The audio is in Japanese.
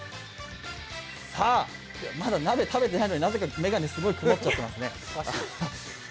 まだ鍋食べてないのに、なぜか眼鏡曇っちゃってますね。